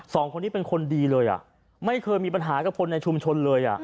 สองคนนี้เป็นคนดีเลยอ่ะไม่เคยมีปัญหากับคนในชุมชนเลยอ่ะ